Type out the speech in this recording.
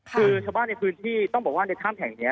คือชาวบ้านในพื้นที่ต้องบอกว่าในถ้ำแห่งนี้